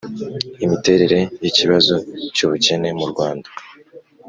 imiterere y'ikibazo cy'ubukene mu rwanda